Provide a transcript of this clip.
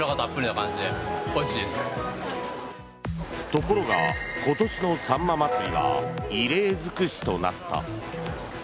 ところが、今年のさんま祭は異例尽くしとなった。